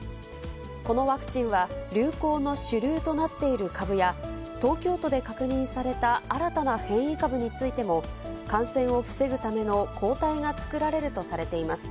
このワクチンは、流行の主流となっている株や、東京都で確認された新たな変異株についても、感染を防ぐための抗体が作られるとされています。